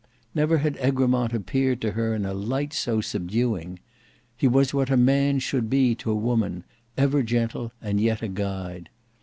Never had Egremont appeared to her in a light so subduing. He was what man should be to woman ever gentle, and yet a guide.